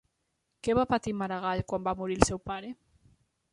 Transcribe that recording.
Què va patir Maragall quan va morir el seu pare?